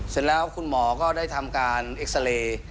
เสร็จแล้วคุณหมอก็ได้ทำการเอ็กซาเรย์